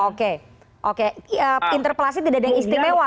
oke oke interpelasi tidak ada yang istimewa